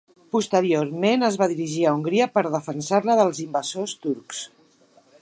Posteriorment es va dirigir a Hongria per defensar-la dels invasors turcs.